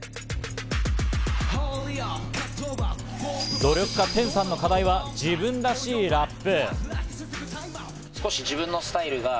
努力家・テンさんの課題は、自分らしいラップ。